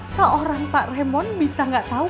seorang pak raymond bisa tidak tahu